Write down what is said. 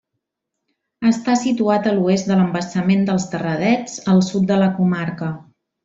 Està situat a l'oest de l'embassament dels Terradets, al sud de la comarca.